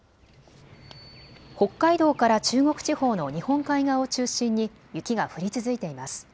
北海道から中国地方の日本海側を中心に雪が降り続いています。